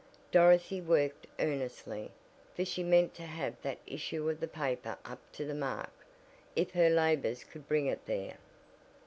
Dorothy worked earnestly, for she meant to have that issue of the paper up to the mark, if her labors could bring it there.